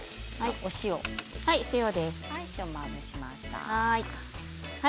塩をまぶしました。